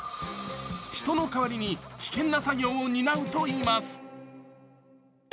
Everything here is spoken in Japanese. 人の代わりに危険な作業を担うといいます。